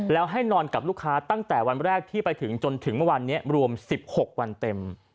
แล้วให้นอนกับลูกค้าตั้งแต่วันแรกที่ไปถึงจนถึงเมื่อวานนี้รวม๑๖วันเต็ม